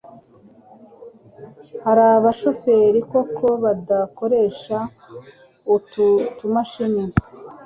hari abashoferi koko badakoresha utu tumashini